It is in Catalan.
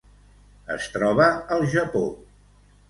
Es troba al Japó: